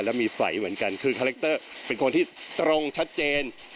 แล้วมีไฟเหมือนกันคือคาแรคเตอร์เป็นคนที่ตรงชัดเจน